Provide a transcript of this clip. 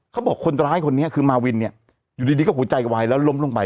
คนร้ายคนนี้คือมาวินเนี่ยอยู่ดีก็หัวใจกระวายแล้วล้มลงไป